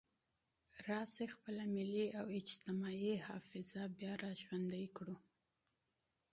راشئ خپله ملي او اجتماعي حافظه بیا را ژوندۍ کړو.